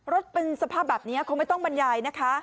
สภาพเป็นสภาพแบบนี้คงไม่ต้องบรรยายนะคะ